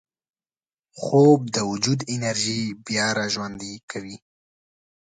خوب د وجود انرژي بیا راژوندي کوي